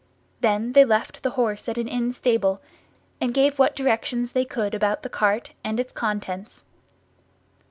They then left the horse at an inn stable, and gave what directions they could about the cart and its contents.